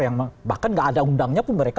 yang bahkan gak ada undangnya pun mereka